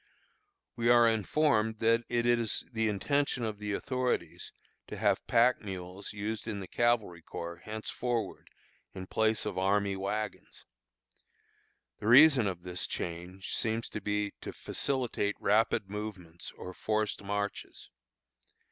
We are informed that it is the intention of the authorities to have pack mules used in the cavalry corps henceforward in place of army wagons. The reason of this change seems to be to facilitate rapid movements or forced marches.